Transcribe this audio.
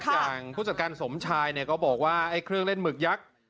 อย่างผู้จัดการสมชายเนี่ยก็บอกว่าไอ้เครื่องเล่นหมึกยักษ์